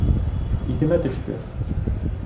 Иҫемә төштө.